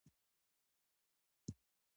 دوی به د خدای مرغان وګوري.